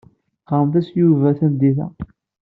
Ɣremt-as i Yuba tameddit-a.